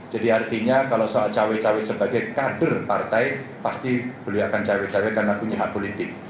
jadi artinya kalau soal cawe cawe sebagai kader partai pasti beliau akan cawe cawe karena punya hak politik